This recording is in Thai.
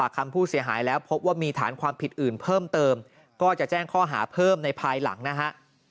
คำผู้เสียหายแล้วพบว่ามีฐานความผิดอื่นเพิ่มเติมก็จะแจ้งข้อหาเพิ่มในภายหลังนะฮะ